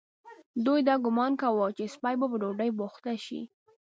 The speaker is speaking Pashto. دوی دا ګومان کاوه چې سپۍ به په ډوډۍ بوخته شي.